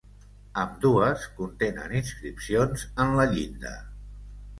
Ambdues contenen inscripcions en la llinda.